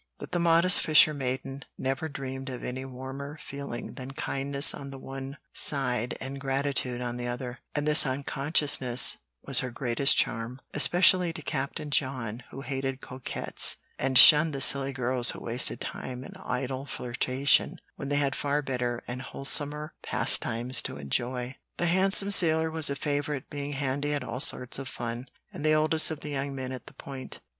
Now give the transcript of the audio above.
But the modest fisher maiden never dreamed of any warmer feeling than kindness on the one side and gratitude on the other; and this unconsciousness was her greatest charm, especially to Captain John, who hated coquettes, and shunned the silly girls who wasted time in idle flirtation when they had far better and wholesomer pastimes to enjoy. The handsome sailor was a favorite, being handy at all sorts of fun, and the oldest of the young men at the Point.